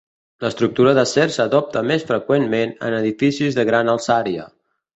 L'estructura d'acer s'adopta més freqüentment en edificis de gran alçària.